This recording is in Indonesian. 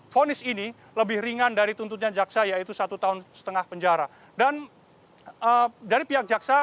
fonis ini lebih ringan dari tuntutan jaksa yaitu satu tahun setengah penjara dan dari pihak jaksa